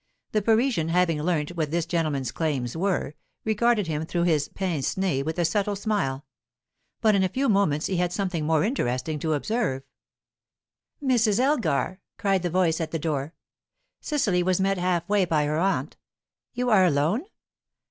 The Parisian, having learnt what this gentleman's claims were, regarded him through his pince nez with a subtle smile. But in a few moments he had something more interesting to observe. "Mrs. Elgar," cried the voice at the door. Cecily was met half way by her aunt, "You are alone?"